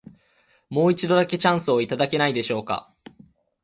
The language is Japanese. もう一度だけ、チャンスをいただけないでしょうか。